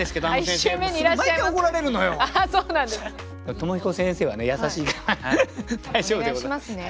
鞆彦先生はね優しいから大丈夫でございます。